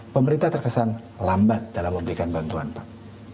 pemerintah terkesan lambat dalam memberikan bantuan pak